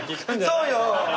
そうよ。